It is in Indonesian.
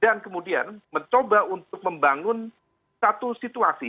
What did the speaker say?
dan kemudian mencoba untuk membangun satu situasi